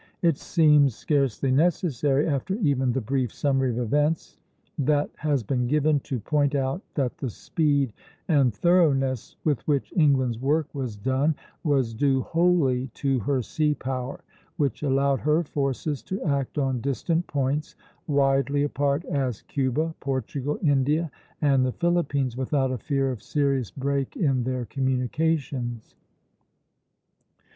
It seems scarcely necessary, after even the brief summary of events that has been given, to point out that the speed and thoroughness with which England's work was done was due wholly to her sea power, which allowed her forces to act on distant points, widely apart as Cuba, Portugal, India, and the Philippines, without a fear of serious break in their communications.